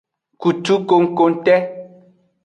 Kutu kokongte.